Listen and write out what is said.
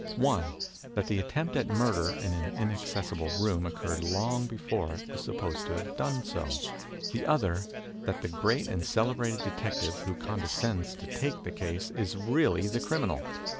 One, that the attempt at murder in an inaccessible room occurred long before it was supposed to have done so. The other that the great and celebrated de tective who condescends to take the case is really the crimi nal.